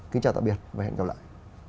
kính chào tạm biệt và hẹn gặp lại